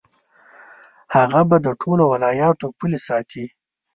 هغه به د ټولو ولایاتو پولې ساتي.